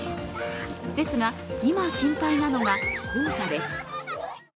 ですが、今心配なのが黄砂です。